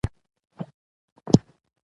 خو دغه وروستي كلونه د نوو څېرو د راټوكېدو